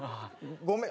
ごめん。